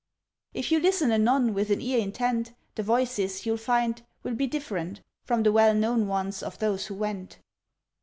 "If you listen anon, with an ear intent, The voices, you'll find, will be different From the well known ones of those who went."